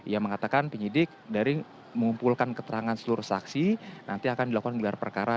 ia mengatakan penyidik dari mengumpulkan keterangan seluruh saksi nanti akan dilakukan gelar perkara